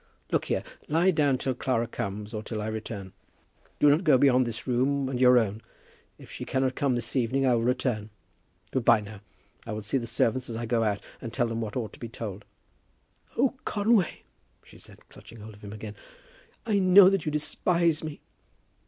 Look here; lie down till Clara comes or till I return. Do not go beyond this room and your own. If she cannot come this evening I will return. Good by now. I will see the servants as I go out, and tell them what ought to be told." "Oh, Conway," she said, clutching hold of him again, "I know that you despise me."